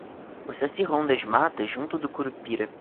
O saci ronda as matas junto do curupira